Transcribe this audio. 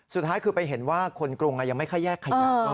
สุดท้ายคือไปเห็นว่าคนกรุงยังไม่ค่อยแยกขยะ